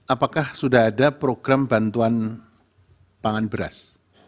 apakah sudah ada program bantuan pangan beras